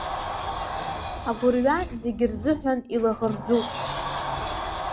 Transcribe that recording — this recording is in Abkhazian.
Агәырҩа зегьы рзыҳәан илаӷырӡуп.